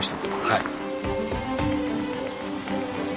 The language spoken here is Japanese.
はい。